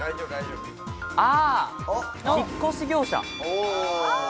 引っ越し業者。